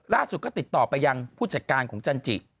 ล่าสุดก็ติดต่อไปยังผู้จัดการของจันจิ